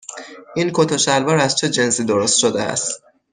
این کت و شلوار از چه جنسی درست شده است؟